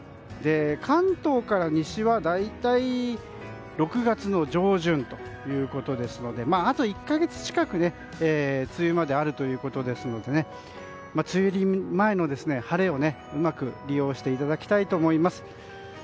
関東から西は大体６月の上旬ということですのであと１か月近く梅雨まであるということですので梅雨入り前の晴れを、うまく利用していただきたいと思います。